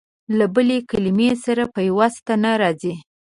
له بلې کلمې سره پيوسته نه راځي.